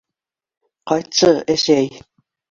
Ҡайтсы, әсәй!